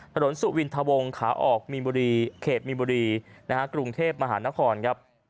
ถนนสุวินทะวงขาออกเก็บมีมบุรีกรุงเทพมหานครครับ